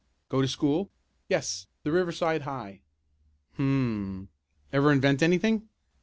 Go to school?" "Yes, the Riverside High." "Hum! Ever invent anything?"